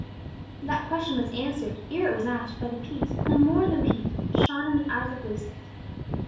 That question was answered, ere it was asked, by the peace the more than peace which shone in the eyes of Lucius.